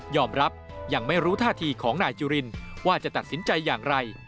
รับยังไม่รู้ท่าทีของนายจุรินว่าจะตัดสินใจอย่างไร